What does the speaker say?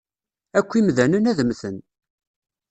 Akk imdanen ad mmten.